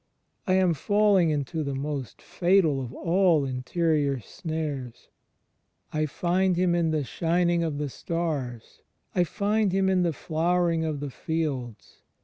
I am falling into the most fatal of all interior snares. I find Him in the shining of the stars. I find Him in the flowering of the fields.